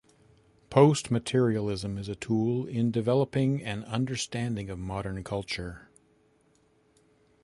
Post-materialism is a tool in developing an understanding of modern culture.